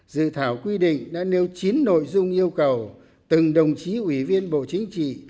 dự thảo quy định đã nêu chín nội dung yêu cầu từng đồng chí ủy viên bộ chính trị